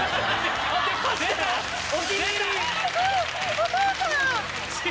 ・・お義父さん！